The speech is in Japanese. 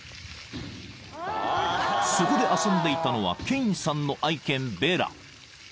［そこで遊んでいたのはケインさんの愛犬ベラ］